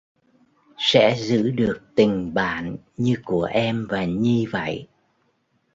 Sẽ giữ được tình bạn như của em và Nhi vậy